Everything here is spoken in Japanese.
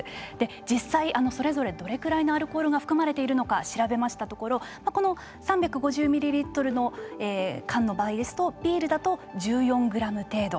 実際それぞれどれぐらいのアルコールが含まれているのか調べましたところこの３５０ミリリットルの場合ですと缶の場合ですとビールだと１４グラム程度。